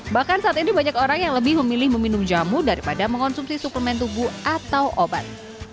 bahkan saat ini banyak orang yang lebih memilih meminum jamu daripada mengonsumsi suplemen tubuh atau obat